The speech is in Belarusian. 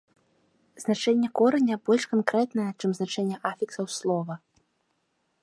Значэнне кораня больш канкрэтнае, чым значэнне афіксаў слова.